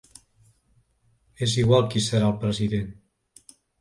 És igual qui serà el president.